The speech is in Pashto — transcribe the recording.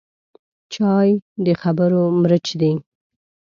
چای د خبرو مرچ دی